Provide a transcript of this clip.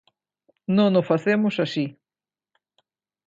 Non o facemos así.